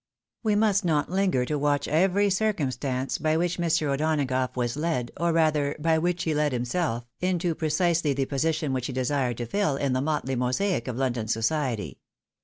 We must not linger to watch every circumstance by which Mr. O'Donagough was led, or rather, by which he led himself, into precisely the position which he desired to fill in the motley mosaic of London society.